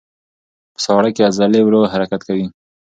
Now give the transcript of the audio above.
په ساړه کې عضلې ورو حرکت کوي.